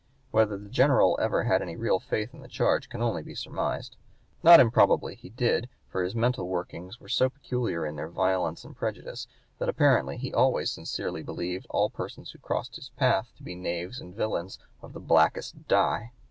Whether the General ever had any real faith in the charge can only be surmised. Not improbably he did, for his mental workings were so peculiar in their violence and prejudice that apparently he always sincerely believed all persons who crossed his path to be knaves and villains of the blackest dye.